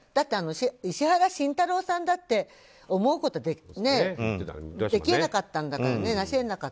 あの石原慎太郎さんだって思うことできなかったんだから。